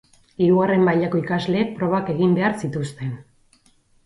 Hirugarren mailako ikasleek probak egin behar zituzten.